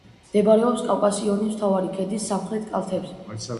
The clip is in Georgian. მდებარეობს კავკასიონის მთავარი ქედის სამხრეთ კალთებზე.